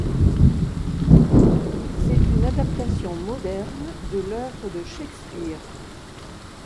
C'est une adaptation moderne de l'œuvre de Shakespeare.